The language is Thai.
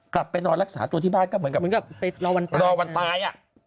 กลับไปนอนรักษาตัวที่บ้านก็เหมือนกับรอวันตาย